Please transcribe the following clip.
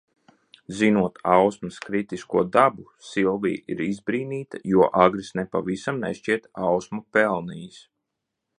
Zinot Ausmas kritisko dabu, Silvija ir izbrīnīta, jo Agris nepavisam nešķiet Ausmu pelnījis.